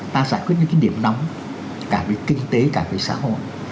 ta giải quyết những cái điểm nóng cả về kinh tế cả về xã hội